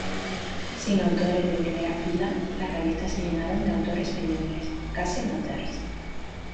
Sin autores de primera fila, las revistas se llenaron de autores mediocres, casi "amateurs".